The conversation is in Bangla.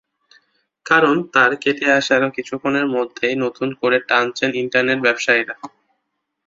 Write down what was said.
কারণ, তার কেটে আসার কিছুক্ষণের মধ্যেই নতুন করে তার টানছেন ইন্টারনেট ব্যবসায়ীরা।